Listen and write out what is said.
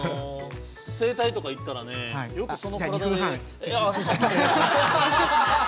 整体とか行ったらね、よく、その。